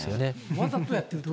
わざとやっていると。